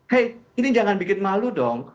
hei ini jangan bikin malu dong